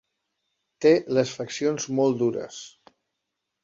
Té les faccions molt dures.